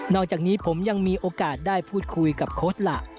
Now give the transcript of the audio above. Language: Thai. อกจากนี้ผมยังมีโอกาสได้พูดคุยกับโค้ดล่ะ